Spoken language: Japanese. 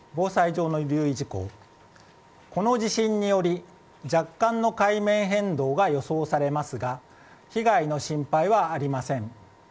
この地震により若干の海面変動が予想されますが被害の心配はありません。